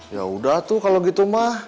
yaudah tuh kalau gitu mah